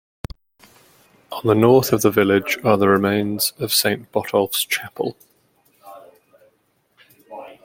On the north of the village are the remains of Saint Botolph's Chapel.